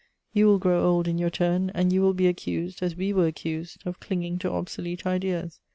You will grow old in your turn and you will be accused, as we were accused, of clinging to obsolete ideas.